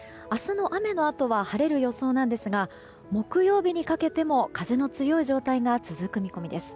明日の雨のあとは晴れる予想なんですが木曜日にかけても風の強い状態が続く見込みです。